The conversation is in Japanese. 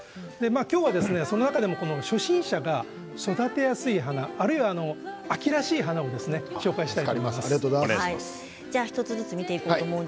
今日はその中でも初心者が育てやすい花、あるいは秋らしい花を紹介したいと助かります。